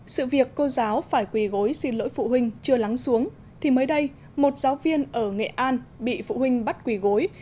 sự việc cô giáo phải quỳ gối xin lỗi phụ huynh chưa lắng xuống thì mới đây một giáo viên ở nghệ an bị phụ huynh bắt quỳ gối